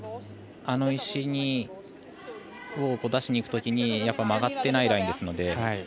あの石を出しにいくときに曲がってないラインですので。